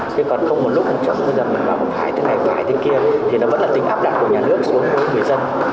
thế còn không một lúc chẳng bao giờ mình phải thế này phải thế kia thì nó vẫn là tính áp đặt của nhà nước xuống của người dân